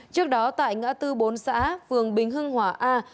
trước đó tại ngã tư bốn xã phường bình hưng hòa a